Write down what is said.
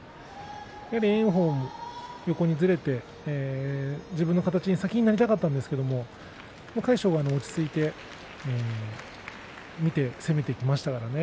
炎鵬も横にずれて自分の形に先になりたかったんですけれども魁勝は落ち着いて攻めていきましたね。